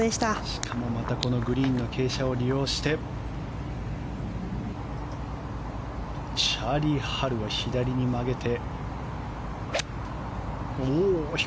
しかもこのグリーンの傾斜を利用してチャーリー・ハルは左に曲げて。